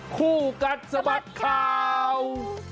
คู่กัดสมัครข่าว